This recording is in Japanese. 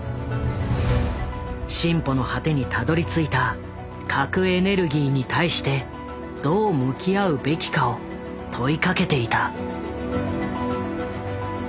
進歩の果てにたどりついた核エネルギーに対してどう向き合うべきかを問いかけていた。